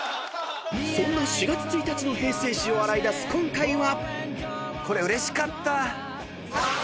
［そんな４月１日の平成史を洗い出す今回は］